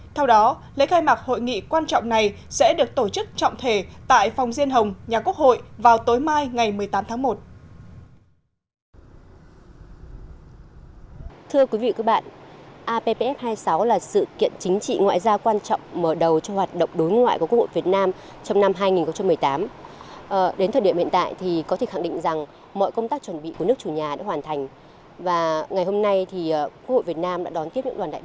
theo đó lễ khai mạc hội nghị quan trọng này sẽ được tổ chức trọng thể tại phòng diên hồng nhà quốc hội vào tối mai ngày một mươi tám tháng một